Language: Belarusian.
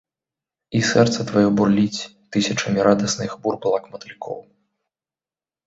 І сэрца тваё бурліць тысячамі радасных бурбалак-матылькоў!